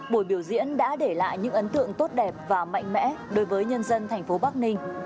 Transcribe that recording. buổi biểu diễn đã để lại những ấn tượng tốt đẹp và mạnh mẽ đối với nhân dân thành phố bắc ninh